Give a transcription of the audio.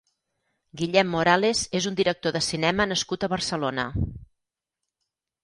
Guillem Morales és un director de cinema nascut a Barcelona.